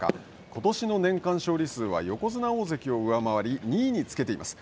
ことしの年間勝利数は横綱、大関を上回り２位につけています。